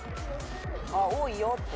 「あっ多いよって？」